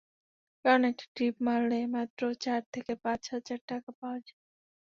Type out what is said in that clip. কারণ একটা ট্রিপ মারলে মাত্র চার থেকে পাঁচ হাজার টাকা পাওয়া যায়।